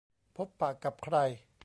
พบปะกับใคร